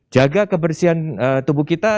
jaga kebersihan tubuh kita